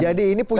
jadi ini punya